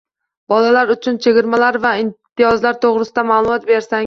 Bolalar uchun chegirmalar va imtiyozlar to‘g‘risida ma’lumot bersangiz?